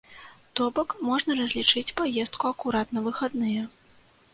То бок, можна разлічыць паездку акурат на выхадныя.